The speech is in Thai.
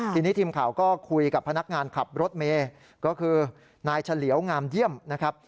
ทีนี้ทีมข่าวก็คุยกับพนักงานขับรถเมย์ก็คือนายเฉลียวงามเยี่ยมนะครับ